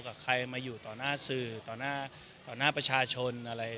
กับใครมาอยู่ต่อหน้าสื่อต่อหน้าต่อหน้าประชาชนอะไร